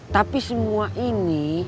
tapi semua ini